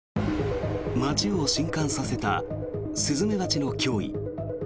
街を震かんさせたスズメバチの脅威。